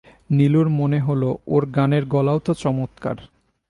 নীলুর মনে হলো ওর গানের গলাও তো চমৎকার!